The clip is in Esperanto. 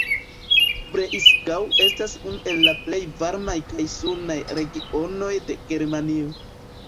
Breisgau estas unu el la plej varmaj kaj sunaj regionoj de Germanio.